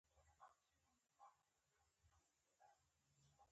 ازادي راډیو د اټومي انرژي په اړه د سیمینارونو راپورونه ورکړي.